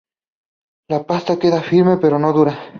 La pasta queda firme pero no dura.